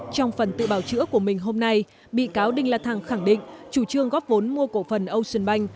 trong phần tự bảo chữa của mình hôm nay bị cáo đinh la thăng khẳng định chủ trương góp vốn mua cổ phần ocean bank